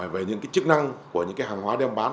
về những cái chức năng của những hàng hóa đem bán